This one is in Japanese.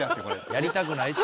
やりたくないですよ。